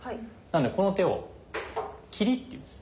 なのでこの手を「切り」といいます。